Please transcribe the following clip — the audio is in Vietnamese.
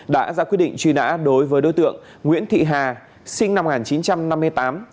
đã ra quyết định truy nã đối với đối tượng nguyễn thị hà sinh năm một nghìn chín trăm năm mươi tám